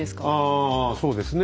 ああそうですね。